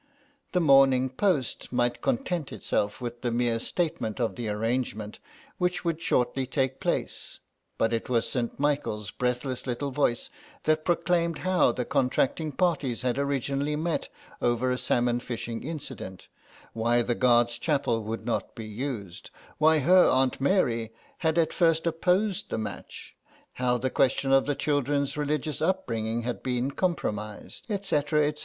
The Morning Post might content itself with the mere statement of the arrangement which would shortly take place, but it was St. Michael's breathless little voice that proclaimed how the contracting parties had originally met over a salmon fishing incident, why the Guards' Chapel would not be used, why her Aunt Mary had at first opposed the match, how the question of the children's religious upbringing had been compromised, etc., etc.